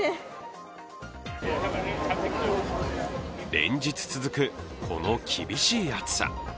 連日続く、この厳しい暑さ。